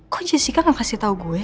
kok jessica gak kasih tau gue